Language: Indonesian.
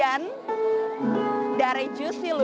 jangan lupa like share dan subscribe ya